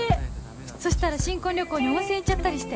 そしたら新婚旅行に温泉行っちゃったりして